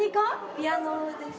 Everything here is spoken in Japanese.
ピアノです。